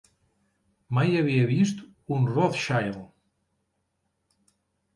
Mai havia vist un Rothschild.